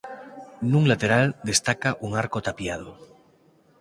Nun lateral destaca un arco tapiado.